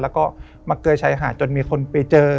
แล้วก็มาเกยชายหาดจนมีคนไปเจอ